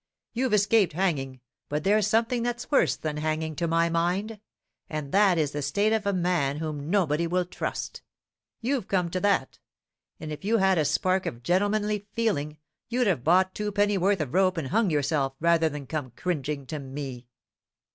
You've escaped hanging, but there's something that's worse than hanging, to my mind, and that is the state of a man whom nobody will trust. You've come to that; and if you had a spark of gentlemanly feeling, you'd have bought two pennyworth of rope and hung yourself rather than come cringing to me."